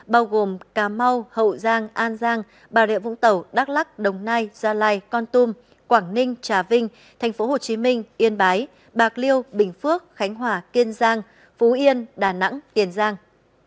bao gồm cà mau hậu giang an giang bà rịa vũng tàu đắk lắc đồng nai gia lai con tum quảng ninh trà vinh tp hcm yên bái bạc liêu bình phước khánh hòa kiên giang phú yên đà nẵng tiền giang